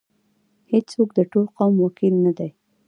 هیڅوک د ټول قوم وکیل نه دی.